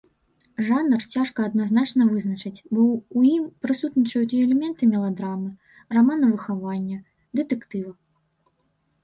Жанр цяжка адназначна вызначыць, бо ў ім прысутнічаюць і элементы меладрамы, рамана выхавання, дэтэктыва.